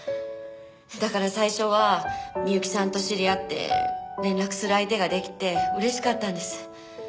だから最初は美由紀さんと知り合って連絡する相手ができて嬉しかったんです。